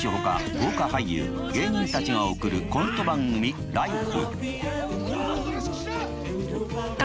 豪華俳優芸人たちが送るコント番組「ＬＩＦＥ！」。